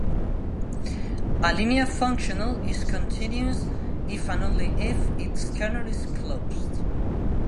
A linear functional is continuous if and only if its kernel is closed.